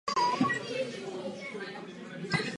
Od mládí byl činný v polských tajných spolcích.